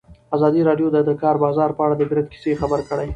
ازادي راډیو د د کار بازار په اړه د عبرت کیسې خبر کړي.